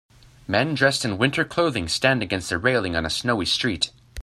Men dressed in winter clothing stand against a railing on a snowy street